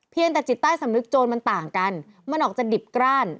แต่จิตใต้สำนึกโจรมันต่างกันมันออกจะดิบกล้าน